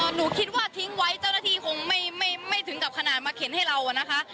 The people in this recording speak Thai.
หนูคิดว่าทิ้งไว้เจ้าหน้าที่คงไม่ถึงกับขนาดมาเข็นให้เราอะนะคะ